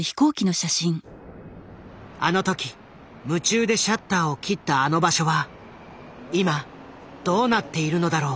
あの時夢中でシャッターを切ったあの場所は今どうなっているのだろう？